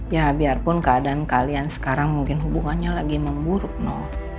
ya biarpun keadaan kalian sekarang mungkin hubungannya lagi memburuk no